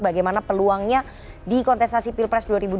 bagaimana peluangnya di kontestasi pilpres dua ribu dua puluh